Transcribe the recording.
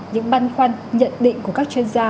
những băn khoăn nhận định của các chuyên gia